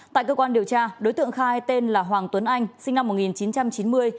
tại cơ quan điều tra đối tượng khai tên là hoàng tuấn anh sinh năm một nghìn chín trăm chín mươi